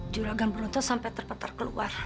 juragan beruntut sampai terpetar keluar